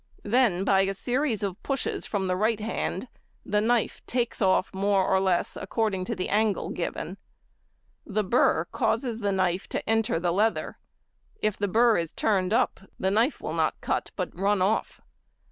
Then by a series of pushes from the right hand, the knife takes off more or less according to the angle given. The burr causes the knife to enter the leather; if the burr is turned up the knife will not cut but run off.